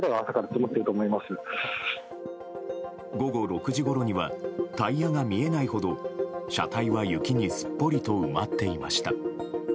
午後６時ごろにはタイヤが見えないほど車体は雪にすっぽりと埋まっていました。